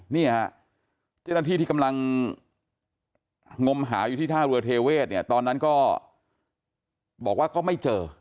นี่เจตนที่ที่กำลังงมหาอยู่ที่ท่ารุยเทเวทตอนนั้นก็บอกว่าก็ไม่เจอ